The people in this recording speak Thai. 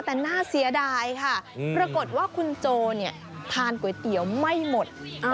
แต่น่าเสียดายค่ะปรากฏว่าคุณโจทานก๋วยเตี๋ยวไม่หมด